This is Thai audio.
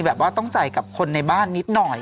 แบบว่าต้องใส่กับคนในบ้านนิดหน่อย